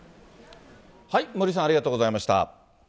森さん、ありがとうございました。